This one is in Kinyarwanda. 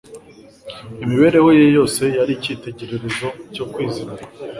Imibereho ye yose yari icyitegererezo cyo kwizinukwa